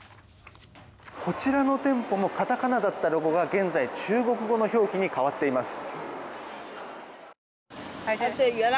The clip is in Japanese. こちらの店舗も片仮名だったロゴが現在、中国語の表記に変わっています。